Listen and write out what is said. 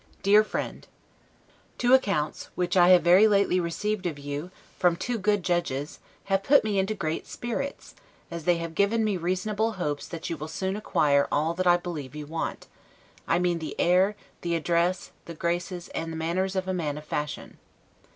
1751 DEAR FRIEND: Two accounts, which I have very lately received of you, from two good judges, have put me into great spirits, as they have given me reasonable hopes that you will soon acquire all that I believe you want: I mean the air, the address; the graces, and the manners of a man of fashion.